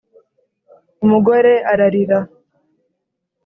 Umugore aralira